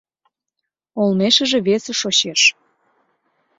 Олмешыже весе шочеш.